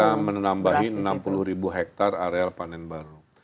karena kita menambahin enam puluh ribu hektare areal panen baru